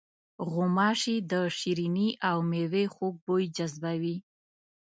غوماشې د شریني او میوې خوږ بوی جذبوي.